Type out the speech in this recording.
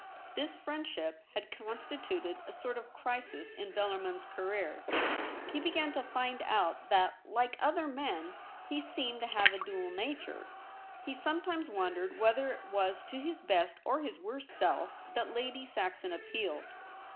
This friendship had constituted a sort of crisis in Bellarmin's career. He began to find out that, Hke other men, he seemed to have a dual nature. He sometimes wondered whether it was to his best or his worst self that Lady Saxon appealed.